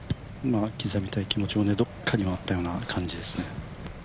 刻みたい気持ちもどこかにあったような感じですね